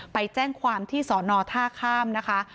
ไปแจ้งความที่สอนอท่าข้ามนะคะ